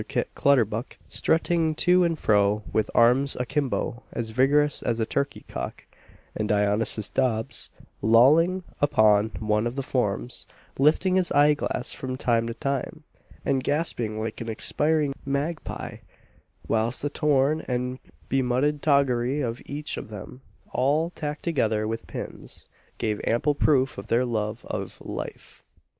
Kit Clutterbuck, strutting to and fro, with arms a kimbo, as vigorous as a turkey cock; and Dionysius Dobbs, lolling upon one of the forms, lifting his eye glass from time to time, and gasping like an expiring magpie; whilst the torn and bemudded toggery of each of them, all tacked together with pins, gave ample proof of their love of "Life."